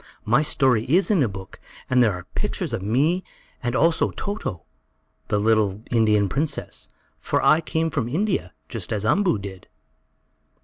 "My story is in a book, and there are pictures of me, and also Toto, the little Indian princess. For I came from India, just as Umboo did."